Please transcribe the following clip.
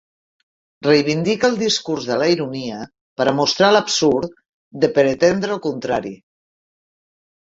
Reivindica el discurs de la ironia per a mostrar l'absurd de pretendre el contrari.